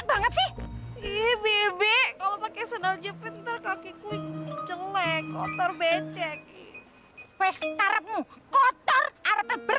sampai jumpa di video selanjutnya